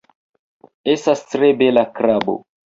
Estas tre bela krabo